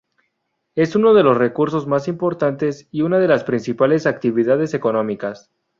Es uno de los recursos más importantes y una de las principales actividades económicas.